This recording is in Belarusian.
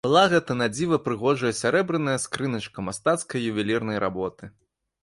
Была гэта надзіва прыгожая сярэбраная скрыначка мастацкай ювелірнай работы.